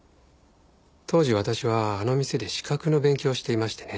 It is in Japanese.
当時私はあの店で資格の勉強をしていましてね。